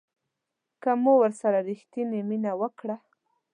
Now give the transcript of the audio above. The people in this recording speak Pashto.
که مو ورسره ریښتینې مینه وکړه